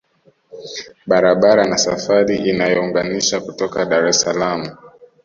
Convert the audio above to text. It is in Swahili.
Barabara na safari inayounganisha kutoka Dar es salaam